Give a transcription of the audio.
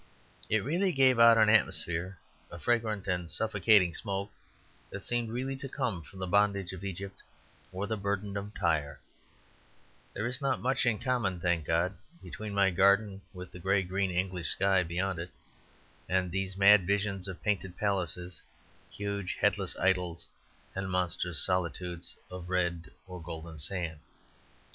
It really gave out an atmosphere, a fragrant and suffocating smoke that seemed really to come from the Bondage of Egypt or the Burden of Tyre There is not much in common (thank God) between my garden with the grey green English sky line beyond it, and these mad visions of painted palaces huge, headless idols and monstrous solitudes of red or golden sand.